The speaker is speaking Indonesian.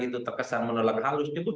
itu terkesan menolak halus itu